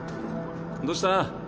どうした？